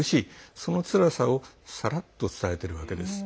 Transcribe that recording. そのつらさをさらっと伝えているわけです。